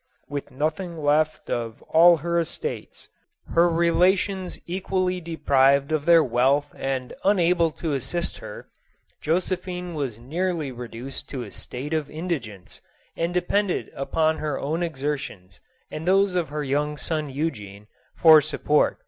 With nothing left of all her estates, her relations . JOSEPHINE. 285 equally deprived of their wealth and unable to assist her, Josephine was nearly reduced to a state of indi gence, and depended upon her own exertions and those of her young son Eugene, for support.